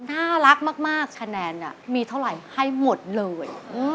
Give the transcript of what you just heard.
น่ารักมากคะแนนมีเท่าไหร่ให้หมดเลย